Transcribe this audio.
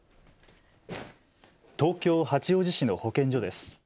東京八王子市の保健所です。